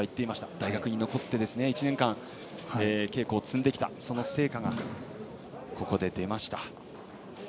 大学に残って１年間稽古を積んできたその成果がここで出ました。